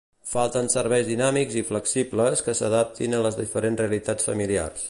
Falten serveis dinàmics i flexibles que s'adaptin a les diferents realitats familiars.